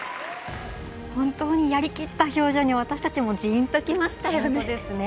本当にやりきった表情に私たちも、じーんときましたよね。